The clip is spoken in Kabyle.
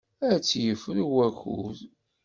Ad tt-yefru wakud.